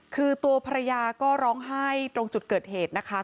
คือตัวภรรยาก็ร้องไห้ตรงจุดเกิดเหตุนะคะ